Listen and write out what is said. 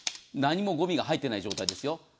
何もごみが入っていない状態ですよ。